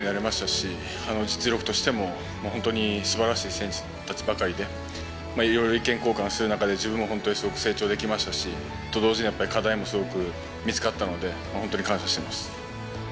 みんなと友達のようになれましたし、実力としても本当にすばらしい選手たちばかりで、いろいろ意見交換する中で、自分も本当にすごく成長できましたし、と同時に、やっぱり課題もすごく見つかったので、本当に感謝してます。